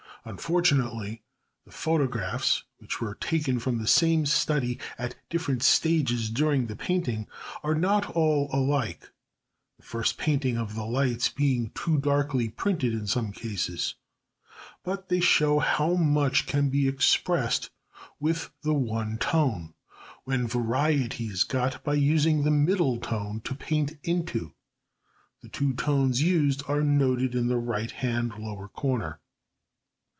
Unfortunately the photographs, which were taken from the same study at different stages during the painting, are not all alike, the first painting of the lights being too darkly printed in some cases. But they show how much can be expressed with the one tone, when variety is got by using the middle tone to paint into. The two tones used are noted in the right hand lower corner.